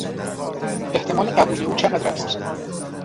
احتمال قبولی او چقدر است؟